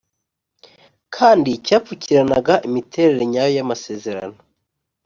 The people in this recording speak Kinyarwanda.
kandi cyapfukirana imiterere nyayo y amasezerano